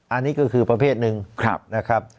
อันนี้ก็คือประเภทหนึ่งนะครับ